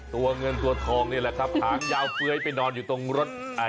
ตัวเงินตัวทองนี่แหละครับหางยาวเฟ้ยไปนอนอยู่ตรงรถอ่า